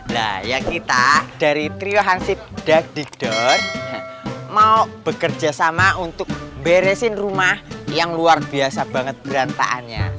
nah ya kita dari trio hansip dadikdor mau bekerja sama untuk beresin rumah yang luar biasa banget berantaanya